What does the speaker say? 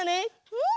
うん。